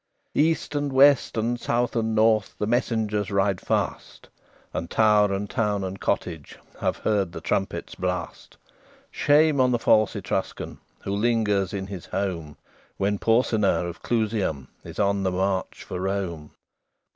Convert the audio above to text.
II East and west and south and north The messengers ride fast, And tower and town and cottage Have heard the trumpet's blast. Shame on the false Etruscan Who lingers in his home, When Porsena of Clusium Is on the march for Rome.